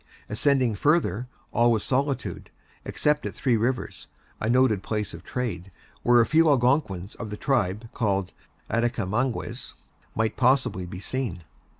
Ascending farther, all was solitude, except at Three Rivers, a noted place of trade, where a few Algonquins of the tribe called Atticamegues might possibly be seen.